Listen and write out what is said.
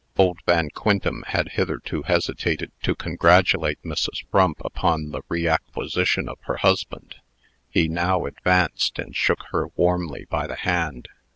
Old Van Quintem had hitherto hesitated to congratulate Mrs. Frump upon the reacquisition of her husband. He now advanced, and shook her warmly by the hand.